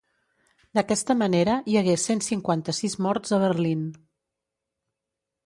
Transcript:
D'aquesta manera, hi hagué cent cinquanta-sis morts a Berlín.